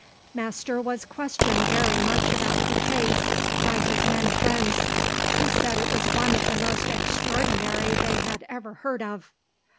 Master was questioned very much about her case by his men friends, who said it was one of the most extraordinary they had ever heard of.